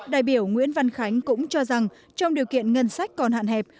đại biểu nguyễn văn khánh cũng cho rằng trong điều kiện ngân sách còn hạn hẹp